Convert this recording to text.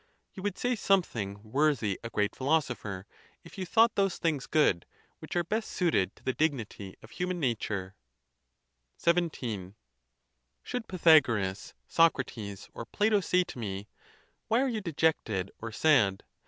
You would say some thing 'worthy a great philosopher if you thought those things good which are best suited to the dignity of human nature, is XVII. Should Pythagoras, Socrates, or Plato say to me, Why are you dejected or sad?